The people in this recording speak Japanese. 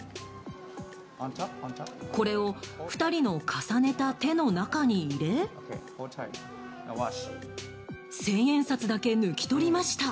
これを２人の重ねた手の中に入れ１０００円札だけ抜き取りました。